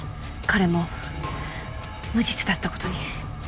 彼も無実だったことに。